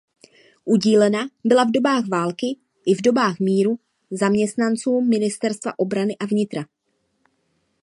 Udílena byla v dobách války i v dobách míru zaměstnancům ministerstva obrany a vnitra.